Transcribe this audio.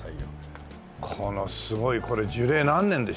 このすごいこれ樹齢何年です？